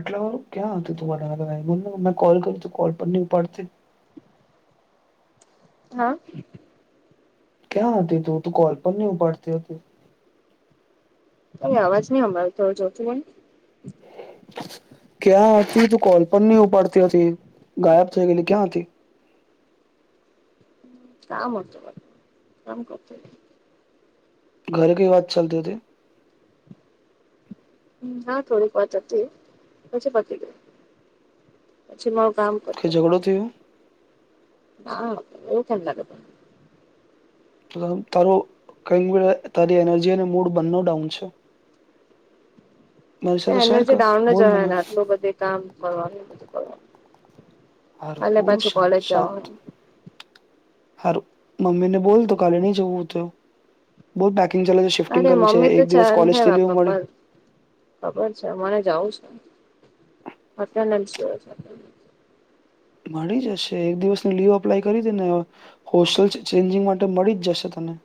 આટલા ક્યાં હતું તું મન મેં કોલ કર્યું તું કોલ પણ નહી ઉપાડતી હા ક્યાં હતી તુ તુ કોલ પણ નહીં ઉપાડતી હતી અ અવાજ નહી અમાર થોરુ જોથી બોલને [unintelligible] ક્યાં હતી તો કોલ પણ નહી ઉપાડતી હતી ગાયબ થઈ ગયલી ક્યાં હતી [inaudible] કામ હતો કામ કરતી તી ઘરે કઈ વાત ચાલતી હતી? હા થોડીક વાત હતી પછી પતી ગઈ પછી કામ કે કરતી ઝઘડો હતી થયો હા એ ચંદાગત તારો કંઈક તારી એનર્જી અને મૂડ બંને ડાઉન છે [inaudible] શેર એનર્જી કર ડાઉન બોલ જ હોય મને ને આટલું બધું કામ કરવાનું બધું કરવાનું હારું અને હું પાછું કોલેજ જવાનું હારુ મમ્મીને બોલ તો કાલે નહી જવું તો બોલ પ અરે મમ્મી તો ચાલ હે લીવ મળી પપ્પા ખબર છે. ને જાઉં છે. અટેન્ડનસ જોઈએ છે મળી જશે એક દિવસની લીવ અપ્લાય કરી દે ને હોસ્ટલ ચેન્જિંગ માટે મળી જ જશે તને [inaudible]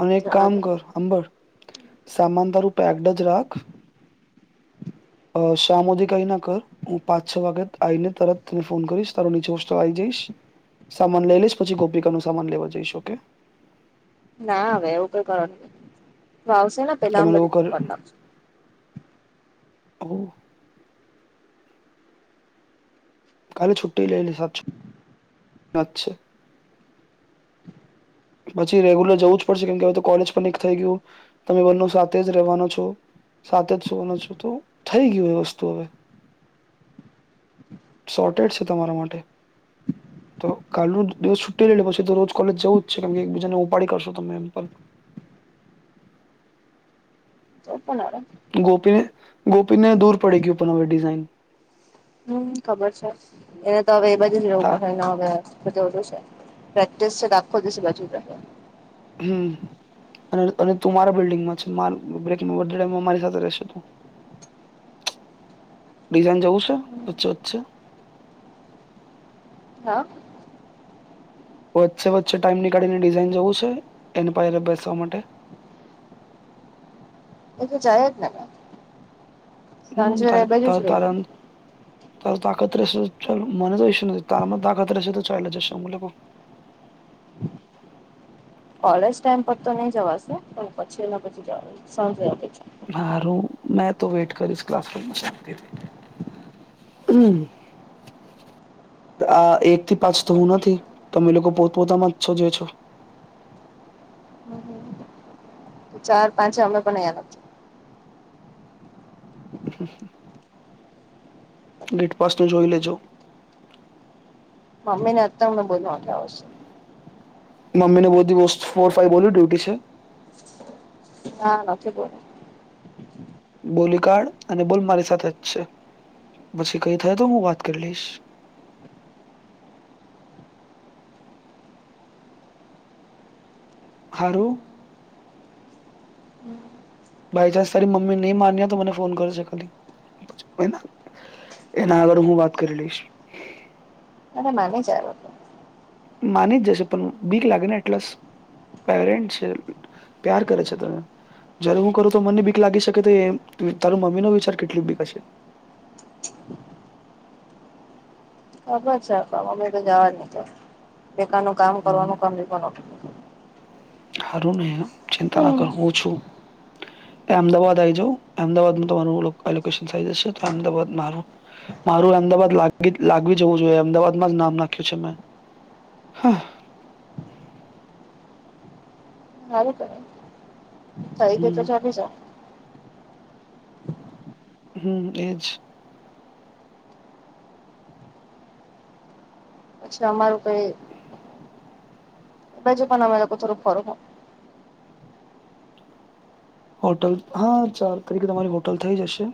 અને એક જવા કામ દે કર હાંભડ સામાન તારું પેકડ જ રાખ શામ હુધી કઈ ના કર હું પાંચ છ વાગે આવીને તરત તને ફોન કરીશ તારો નીચે હોસ્ટલ આવી જાય સામાન લઈ લશ પછી ગોપિકા નું સામાન લેવા જઈશ ઓકે ના હવે એવું કઈ કરો ન આવશે પેલા આમ બધી કર નાખશું હમ કાલી છુટ્ટી લઈ લઈશ સાબ છ વાત છે પછી રેગ્યુલર જવું જ પડશે કેમ કે હવે તો કોલેજ પણ એક થઇ ગયું તમે બંને સાથે જ રહેવાન છો સાથેજ સુવાનો છું તો થઈ ગયું એ વસ્તુ હવે શોર્ટેટ છે તમારા માટે તો કાલનો દિવસ છુટ્ટી લઈ લે પછી તો રોજ કોલેજ જવું કેમ કે એકબીજાને ઉપાડી કરશો તમે એમ પર તો પણ અરે ગોપીને ગોપીને દૂર પડી ગ્યું પણ હવે ડિઝાઇન હમ ખબર છે એને તો હવે એ બાજુ જ રહેવું તા પડે ને હવે પ્પ્રેક્ટિસ આખો દસે બાજુ રહે હમ અને તું મારા બિલ્ડિંગમાં છે મા મારી સાથે રહેશે તું? [inaudible] ડિઝાઇન જવું છે વચ્ચે વચચે? હા વચ્ચે વચ્ચે ટાઈમ નીકાળીને ડિઝાઇન જવું છે એની પાયરે બેસવા માટે? [inaudible] એ તો જાય જ ને હમ સાંજે એ ત બાજુ જ તારા રહીને તારે તાકાત રહેશે તો મને તો ઇસ્યૂ નથી તારમાં તાકાત રહેશે તો ચાલ્યા જશું અમે લોકો [inaudible] કોલેજ ટાઈમ પર તો નહી જવાશે પણ પછી પછી જવાનું સમજતી હારુ મેં તો વેટ કરીશ ક્લાસ કરના ચતી હમ આ એક થી પાંચ તો હું નથી તમે લોકો પોતપોતામાં જ છો જે છો [inaudible] ચાર પાંચ અમે પણ અયા નથી અ ગેટપાસનું જોઈ લેજો મમ્મી ને અ હમને બને આવશે મમ્મીને બધી વસ્તુ ફોર ફાઈવ બોલ ડ્યુટી છે ના નથી બોલો બોલી કાડ અને બોલ મારી સાથેજ છે પછી કઈ થાય તો હું વાત કરી લઈશ [inaudible] હારું બાય ચાન્સ તારી મમ્મી નહી માન્યા તો મને ફોન કરજે ખાલી એના આગળ હું વાત કરી લઈશ અરે મને માની જ જશે પણ બીક લાગે ને એટલસ પેરેન્ટ છે પ્યાર કરે છે તને જય્યારે હું કરું તો મને બીક લાગે શકે ટે એમ તો તારું મમ્મીનો વિચાર કેટલી બીક હશે [inaudible] ખબર છે પણ મમી તો જવાજ નૈ દે પટેકાનું કામ કરવાનું કામી બનો હારું ને ચિંતા ના કર હું છું અમદાવાદ આવી જા અમદાવાદમાં તમારુંશન થ જશે તો અમદાવાદ મા મારું અમદાવાદ લ લાગવી જવું જોઈએ અમદાવાદમાં જ નામ નાખ્યું છે મેં હા સારું કર તારી ગ હમ તો ચલી છે હમ એજ છે અમારું ક‌ઇ બજપ નામેલા કોચ [unintelligible] [unintelligible] હોટલ હા ચાર તરીકે તમારી હોટલ થઈ જશે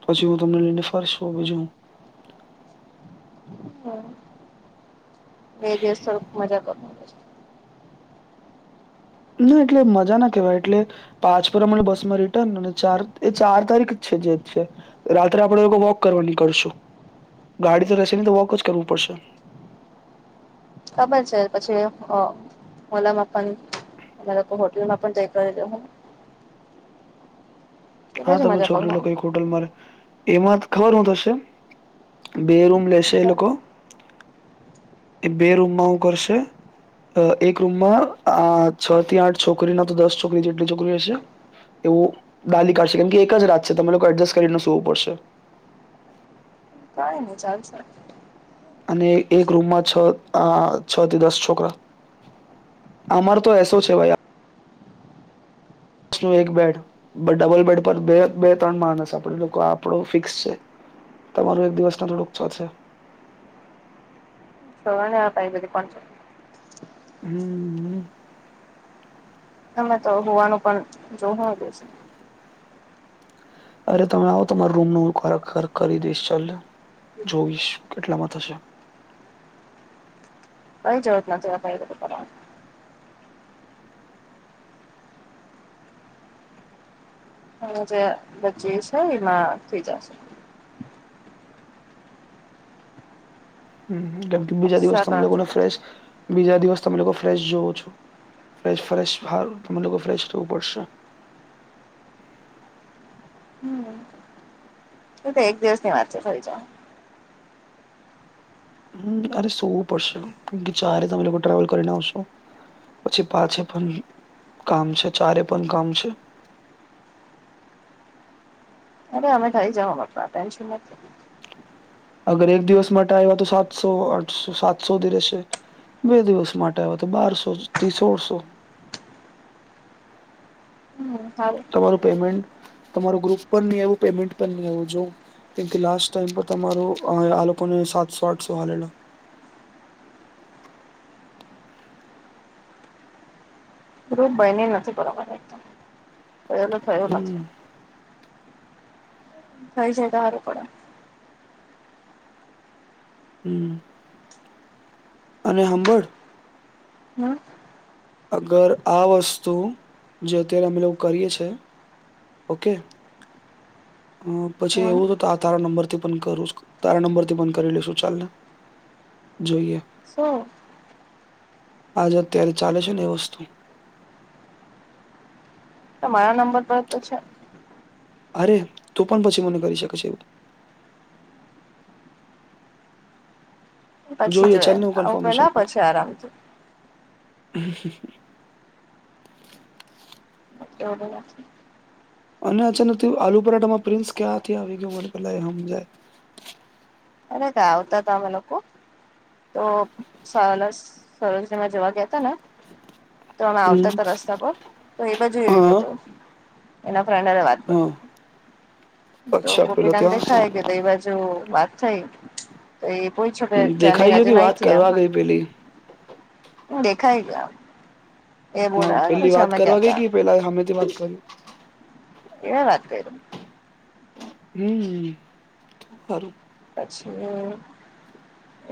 પછી હું તમને લઈને ફરશું બીજું બે દિવસ સર મજા કર ના એટલે મજા ના કેવાય એટલે પાંચ પર અમારે બસ માં રિટર્ન અને ચાર એ ચાર તારીખ જે છે રાત્રે આપડે વોક કરવા નિકળ શું ગાડી તો રહેશે નહી તો વોક જ કરવું પડશે ખબર છે પછી ઓ ઓલામાં પણ અ લોકો હોટલમાં પણ તય કરી દે હા તમે છોકરી લોકો અમે. એક હોટલમાં એમાં ખબર હું થશે બે રૂમ લેશે એ લોકો એ બે રૂમમાં હું કરશે એક રૂમમાં આ છ થી આઠ છોકરીના તો દસ છોકરી જેટલી છોકરી હશે એવું ડાલી કાઢશે કેમ કે એક જ રાત છે તમે લોકો એડજસ્ટ કરીને સુવું પડશે કાઈ ન‌ઇ ચાલશે અને એક રૂમમાં છ આ છ થી દસ છોકરા અમાર તો એસો છે ભૈયા દસ નું એક બેડ ડબલ બેડ પર બે બે ત્રણ માણસ આપડ લોકો આપણો ફિક્સ છે તમારું એક દિવસ ના થોડુંક ચોલસે શોણી પ બધ કોણ છો [unintelligible] હમ હમ તમે તો હોવાનું પણ જોવાનું દ છે અરે તમે આવો તમારા રૂમ નુ હ ખોરાક ખરક કરી દઈશ ચાલલે જોઈશ કેટલામાં થશે કઈ જરુર નથી [unintelligible] [unintelligible] [unintelligible] હ જે બ્ચી છે એમાં થઈ જશે કેમ કે બીજા દિવસ એક્સ્ટ્રા તમે કરવાની લોકોને જરૂર ફેશ બીજા દિવસ તમે લોકો ફ્રેશ જોવો છો ફેશ ફેશ હારું તમે લોકો ફ્રેશ રહેવું પડશે શું તો એક દિવસની વાત છે થઇ જા હમ અરે સો પડશે ચારે તમે ટ્રાવલ કરીને આવશો પછી પાંચે પણ કામ છે ચારે પણ કામ છે [inaudible] [inaudible] અરે અમે થાઈ જાઓ બપા ટેન્શન નથી. અગર એક દિવસ માટે આવ્યા તો સાતસો આઠસો સાતસોધી રહેશે. બે દિવસ માટે આવ્યો તો બારસો થી સોળસો સારું તમારું પેમેન્ટ તમાર ગ્રુપ પણ નહી આવું પેમેન્ટ ન આવું જો કેમ લાસ ટાઈમ તમારો અ કો સાતસો આઠસો વાલેલા ગૃપ બને નથી બરોબર એકદમ પલ થયું નથી. હમ થઈ જાય તો હારું પડે હમ અને હંભળ હમ અગર આ વસ્તુ જે તે અમે લોકો કરીએ છે. ઓકે. હ પછી હમ એવું તો ત તારા નંબર થી પણ કરું તારા નંબર થી પણ કરી લેશુ ચાલ ને જોઈએ શું. આજે અત્યારે ચાલે છે ને એ વસ્તુ તમારા નંબર પર તો છે અરે તું પણ પછી મને કરી શકે છે એવું પછી જોઈએ જોયે ચાલને હું આવું કન્ફર્મેશન પેલા પછી આરામથી [inaudible] એવડું વા છે. અને અચાનક થયુ આલુ પરાઠામાં પ્રિન્સ ક્યાંથી આવી ગયો મને પેલા એ સમજાય અરે કા આવતા તમે લોકો તો સલમાં [unintelligible] જવા ગયા ત ને? તો અમે આવતા હમ હતા રસ્તા પર તો એ બાજુ એ બ હા તો એના વાત કરતો હા તો અચ્છા પેલો ગોપીકને ત્યાં દેખાય કે એ બાજુ વાત થઈ તો એ પુયછુ દેખાઈ ગયો વાત કે [unintelligible] એમ કરવા ગઈ પેલી દેખાય ગયા. એ હા બોલાયા ને પેલી પછી વાત અમે કરવા ગયા ગઈ તા ગઈ પેલાએ હામેથી વાત કર્યું?? એ વાત કયરુ. હમ તો હારુ પછી મે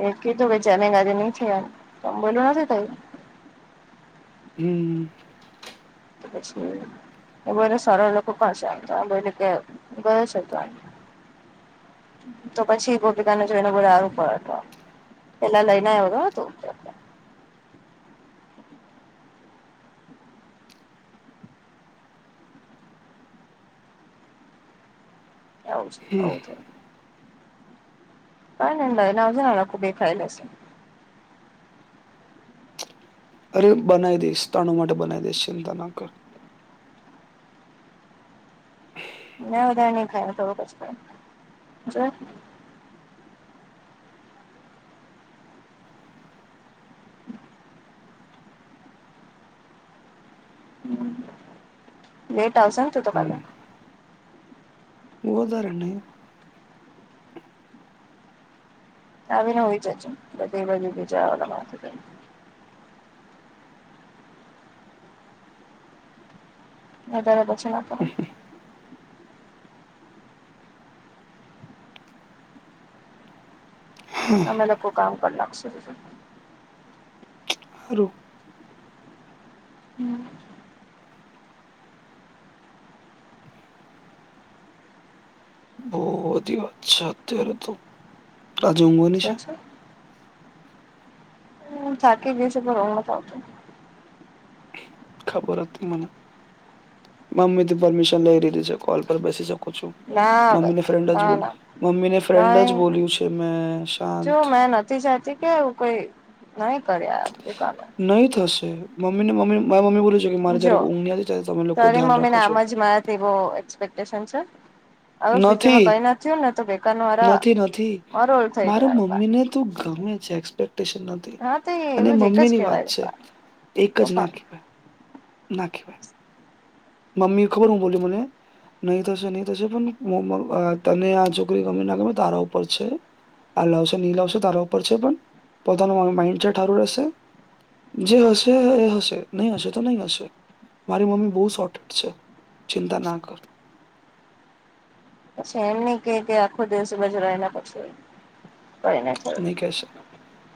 એ કીધું ભ જમે ગાજ નહી થ એમ તોમ બોલ્યું નથી તઈ હમ પછી એ બોને સારા લોકો પણ છે, આમ તો આ બને કે ગયો છે તો [inaudible] તો પછી ગોપીતાને જોઈને બધા સારું પડ હત. એટલા લઈના [inaudible] [inaudible] કય નય લયને આવજે [unintelligible] બેે ખાય લશે અરે બનાવી દઈશ તાણું માટે બનાવી દઈશ ચિંતા ન કર ના વધારે નહી ખાય થોડુંક જ ખાય જો લેટ આવશે ને તું તો કાલે? હમ વધારે નહીં આવીને હુય જજે બધી બાજુ [unintelligible] હજારે પછી ના [inaudible] અમે લોકો કામ કર લાગશુ. સારું હમ ઓ બધી વાત છે, અત્યારે તો અજુ ઊંઘવાની છે. હુ થાકી ગયુ છે પણ ઉધ નથી આવતું. ખબર હતી મને. મમ્મીથી પરમિશન લઈ લીધી છે, કોલ પર બેસી શ કુ છુ, ના હવે મમ્મીને ફ્રેન્ડ જ ના બોલ ના મમ્મીને ફ્રેન્ડ જ નહી બોલ્યું છે, મે શાંત મે નથી ચાહતી કે એવુ કય નહી કર યાર [unintelligible] નહીં થશે મમ્મીને મમ્મીને મા [unintelligible] જો તરે મમ્મીને રાખો છો આમ જ મારાવો એક્સપેક ટેસન છે, હવે ફ્યુચરમાં નથી કઈ ના થયુ ને તો બેકાર ન મારા નથી નથી મરોલ થઈ મારા જાય મમ્મીને તું ગમે છે, એક્સપેક્ટેશન નથી. હા તો અને એવું જ એક જ મમ્મીની વાત કેવાય છે, એક જ તો ના પણ કી ભાય નાખી ભાય મમ્મી ખબર હું બોલી મને? નહી થશે નહી થશે મો મ અ તને આ છોકરી ગમે ના ગમે તારા ઉપર છે. આ લાવશે ની લાવશે તારા ઉપર છે, પણ પોતાનું માઇન્ડ હારું રહેશે જે હશે એ હશે નહી હશે તો નય હશે મારી મમ્મી બો સોટ છે, ચિંતા ના કર પછી એમ નય કે કે આખો દિવસભજરાને પછી કય નય ચા નહીં કહેશે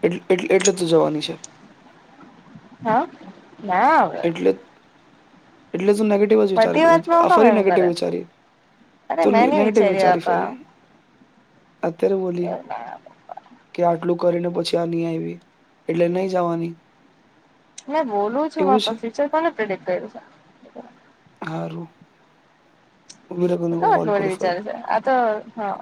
એટ એટ એટલે તુ જવાની છે. હા ના. એટલે એટલે તું નેગેટિવ જ બધી વાતમાં હું વિચારી કેમ ફરી એમ નેગેટિવ કરે વિચારી. અરે તું મેં નહી નેગેટિવ વિચાર્યું વિચારી ફરી. આપા અત્યારે બોલી એવું ના ક્યા આટલું કરીને પછી આ ન આવી એટલે નહી જવાની. મે બોલું છું મા એવું છે તો ફ્યુચર કોને પ્રિડિક્ટ કર્યું છે. હારું. ઊભી રે કોને તો કોલ આટલું વા કરું ફરી વિચારે છે આ તો હા.